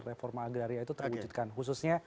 reforma agraria itu terwujudkan khususnya